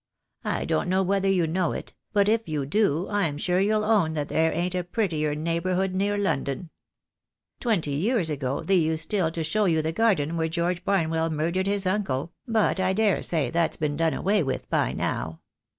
I don't know whether you know it, but if you do I'm sure you'll own that there ain't a prettier neighbourhood near London. Twenty years ago they used still to show you the garden wThere George Barnwell murdered his uncle, but I daresay that's been "J 2 THE DAY WILL COME. done away with by now.